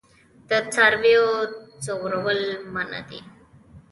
د څارویو ځورول منع دي.